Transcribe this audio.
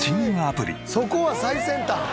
そこは最先端！